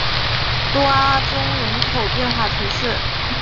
多阿宗人口变化图示